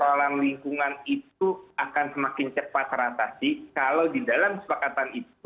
persoalan lingkungan itu akan semakin cepat teratasi kalau di dalam kesepakatan itu